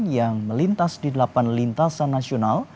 yang melintas di delapan lintasan nasional